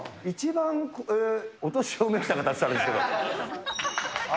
一番お年を召した方っていったらあれですけど。